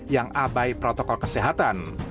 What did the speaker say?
yang abai protokol kesehatan